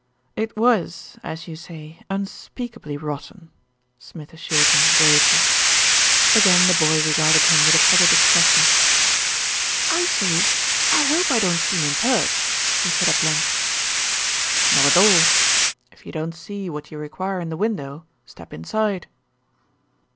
"It was, as you say, unspeakably rotten," Smith assured him gravely. Again the boy regarded him with a puzzled expres sion. 118 ERIC STANNARD PROMISES SUPPORT "I say, I hope I don't seem impert," he said at length. "Not at all. If you don't see what you require in the window, step inside."